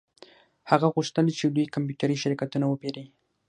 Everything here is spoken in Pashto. هغه غوښتل چې لوی کمپیوټري شرکتونه وپیري